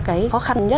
cái khó khăn nhất